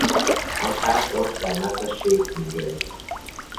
آن طرح داشت در مغزش شکل میگرفت.